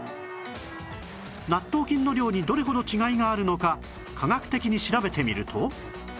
納豆菌の量にどれほど違いがあるのか科学的に調べてみると